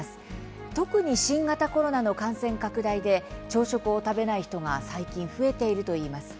特に新型コロナの感染拡大で朝食を食べない人が最近、増えているといいます。